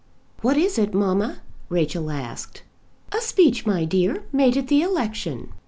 "What is it, mamma?" Rachel asked. "A speech, my dear, made at the election."